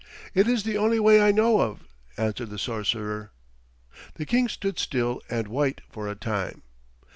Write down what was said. "It is the only way I know of," answered the sorcerer. The King stood still and white for a time.